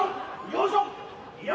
よいしょ！